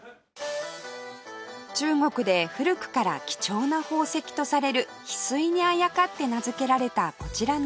中国で古くから貴重な宝石とされる翡翠にあやかって名付けられたこちらのお店